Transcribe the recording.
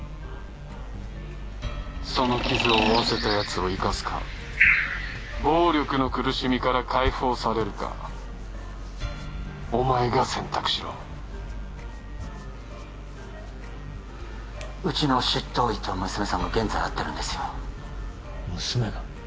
その傷を負わせたやつを生かすか暴力の苦しみから解放されるかお前が選択しろうちの執刀医と娘さんが現在会ってるんですよ娘が？